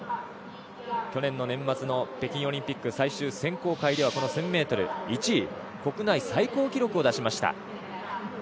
去年の年末の北京オリンピック最終選考会では１０００ｍ、１位国内最高記録を出しました。